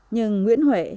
nhưng nguyễn huệ